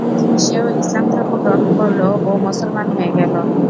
সেও ইসলাম ধর্ম গ্রহণ করল ও মুসলমান হয়ে গেল।